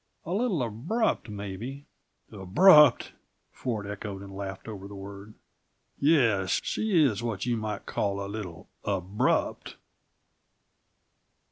A little abrupt, maybe " "Abrupt!" Ford echoed, and laughed over the word. "Yes, she is what you might call a little abrupt!"